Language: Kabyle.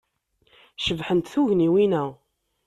Cebḥent tugniwin-a.